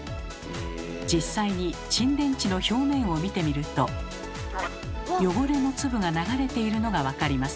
実際に沈殿池の表面を見てみると汚れの粒が流れているのが分かります。